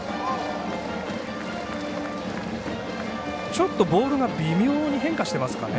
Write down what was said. ちょっとボールが微妙に変化してますかね。